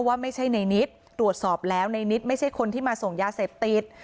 ว่าไม่ใช่ในนิดตรวจสอบแล้วในนิดไม่ใช่คนที่มาส่งยาเสพติด